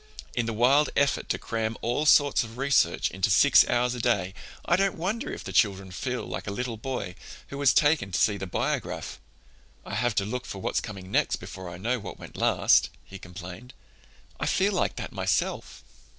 In the wild effort to cram all sorts of research into six hours a day I don't wonder if the children feel like the little boy who was taken to see the biograph. 'I have to look for what's coming next before I know what went last,' he complained. I feel like that myself.